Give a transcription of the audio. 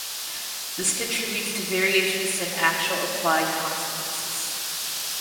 This contributes to variations in actual applied consequences.